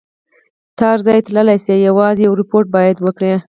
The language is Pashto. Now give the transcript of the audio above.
ته هر ځای تللای شې، یوازې یو ریپورټ باید وکړي.